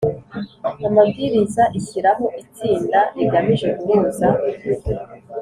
amabwiriza ishyiraho itsinda rigamije guhuza